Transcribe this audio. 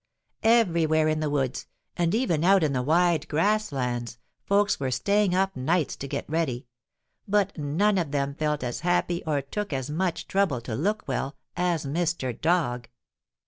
Everywhere in the woods, and even out in the Wide Grass Lands, folks were staying up nights to get ready, but none of them felt as happy or took as much trouble to look well as Mr. Dog.